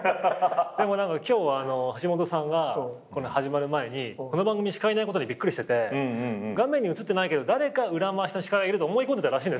今日橋下さんが始まる前にこの番組司会いないことにびっくりしてて画面に映ってないけど誰か裏回しの司会がいると思い込んでたらしいんですよ。